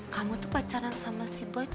kamu tuh pacaran sama si boy tuh